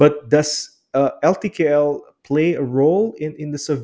tapi apakah ltkl memiliki peran